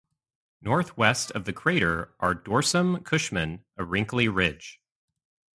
Northwest of the crater are Dorsum Cushman, a wrinkly ridge.